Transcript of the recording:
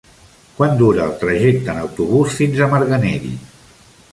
Quant dura el trajecte en autobús fins a Marganell?